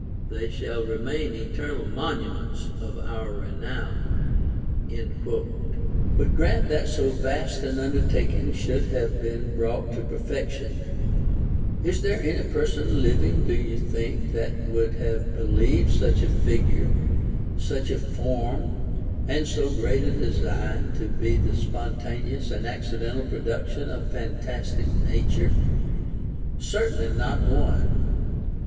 They shall remain eternal monuments of our renown." 496 or THE FORTUNE OR VIRTUE 3. But grant that so vast an undertaking should have been brought to perfection ; is there any person Hving, do ye think, that would have beheved such a figure, such a form, and so great a design, to be the spontaneous and ac cidental production of fantastic Nature] Certainly, not one.